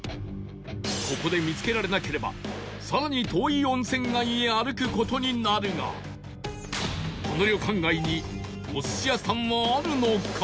ここで見つけられなければ更に遠い温泉街へ歩く事になるがこの旅館街にお寿司屋さんはあるのか？